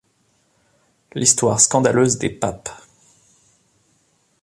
L'Histoire scandaleuse des Papes.